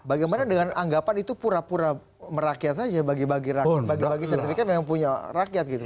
bagaimana dengan anggapan itu pura pura merakyat saja bagi bagi rakyat bagi bagi sertifikat yang punya rakyat gitu